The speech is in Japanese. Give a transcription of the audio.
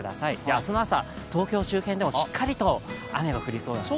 明日の朝、東京周辺でもしっかりと雨が降りそうなんですね。